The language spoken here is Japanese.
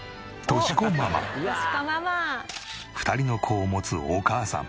２人の子を持つお母さん。